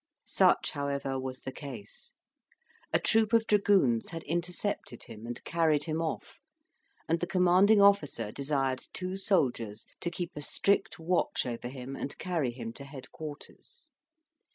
Such, however, was the case: a troop of dragoons had intercepted him, and carried him off; and the commanding officer desired two soldiers to keep a strict watch over him and carry him to head quarters.